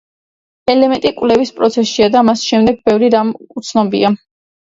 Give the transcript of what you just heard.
ელემენტი კვლევის პროცესშია და მის შესახებ ბევრი რამ უცნობია.